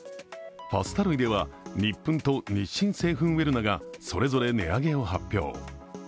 パスタ類ではニップンと日清製粉ウェルナがそれぞれ値上げを発表。